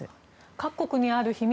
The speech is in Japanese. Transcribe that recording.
各国にある秘密